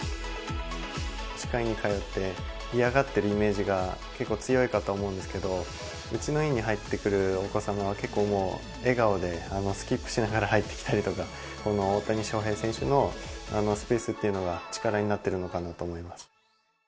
歯科医院に通って嫌がってるイメージが結構強いかと思うんですけれども、うちの院に入ってくるお子様は、結構もう、笑顔でスキップしながら入ってきたりとか、この大谷翔平選手のスペースっていうのが力になっているのかなと思います。